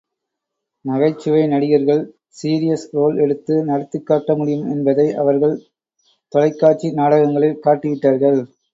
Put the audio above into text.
நகைச்சுவை நடிகர்கள் serious role எடுத்து நடித்துக் காட்ட முடியும் என்பதை அவர்கள் தொலைக் காட்சி நாடகங்களில் காட்டிவிட்டார்கள்.